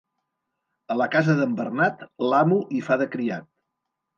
A la casa d'en Bernat l'amo hi fa de criat.